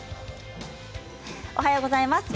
おはようございます。